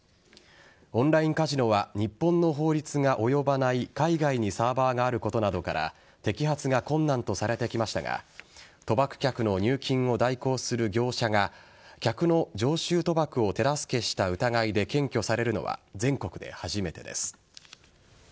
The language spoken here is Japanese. オンラインカジノは日本の法律が及ばない海外にサーバーがあることから摘発が困難とされてきましたが賭博客の入金を代行する業者が客の常習賭博を手助けした疑いで検挙されるのは全国で初めてです。